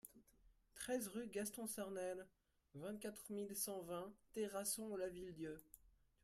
treize rue Gaston Sarnel, vingt-quatre mille cent vingt Terrasson-Lavilledieu